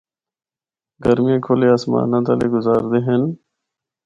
گرمیاں کھلے آسمانا تلے گزاردے ہن۔